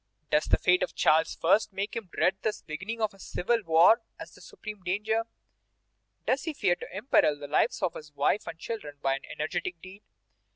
Does the fate of Charles I. make him dread the beginning of civil war as the supreme danger? Does he fear to imperil the lives of his wife and children by an energetic deed?